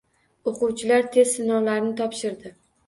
O‘quvchilar test sinovlarini topshirdi